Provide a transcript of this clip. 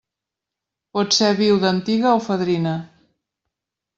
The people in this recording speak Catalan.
Pot ser viuda antiga o fadrina.